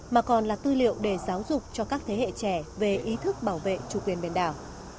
mà còn là tư liệu để giáo dục cho các thế hệ trẻ về ý thức bảo vệ chủ quyền biển đảo